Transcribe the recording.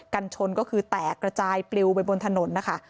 กันชนก็คือแตกระจายปลิวไปบนถนนนะคะ